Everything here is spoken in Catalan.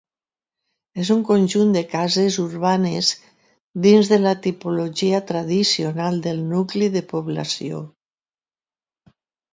És un conjunt de cases urbanes dins de la tipologia tradicional del nucli de població.